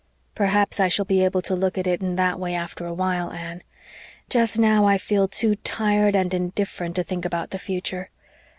"Perhaps I shall be able to look at it in that way after a while, Anne. Just now I feel too tired and indifferent to think about the future.